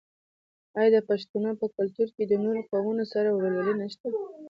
آیا د پښتنو په کلتور کې د نورو قومونو سره ورورولي نشته؟